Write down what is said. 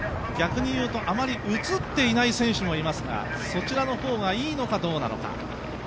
逆に言うと、あまり映っていない選手がいますがそちらの方がいいのかどうか。